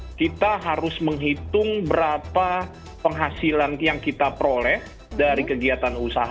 jadi kita harus menghitung berapa penghasilan yang kita proleh dari kegiatan usaha